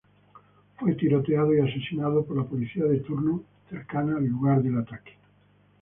Fue tiroteado y asesinado por la policía de turno cercana al lugar del ataque.